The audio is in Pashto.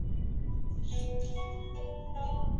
ایا مسلکي بڼوال ممیز صادروي؟